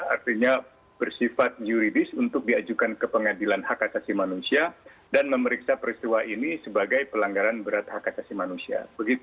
artinya bersifat yuridis untuk diajukan ke pengadilan hak asasi manusia dan memeriksa peristiwa ini sebagai pelanggaran berat hak asasi manusia